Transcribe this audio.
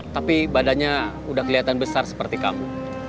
tapi badannya udah kelihatan besar seperti kamu